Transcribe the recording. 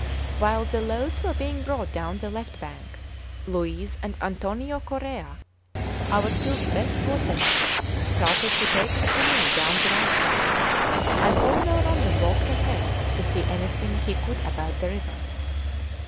While the loads were being brought down the left bank, Luiz and Antonio Correa, our two best watermen, started to take a canoe down the right side, and Colonel Rondon walked ahead to see anything he could about the river.